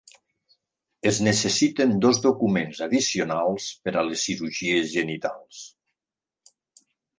Es necessiten dos documents addicionals per a les cirurgies genitals.